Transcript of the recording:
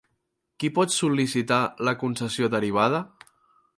Qui pot sol·licitar la concessió derivada?